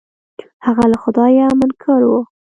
هغه له خدايه منکر و.